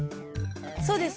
そうです